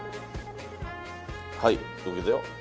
はいのっけたよ。